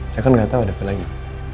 saya kan gak tau ada villa ini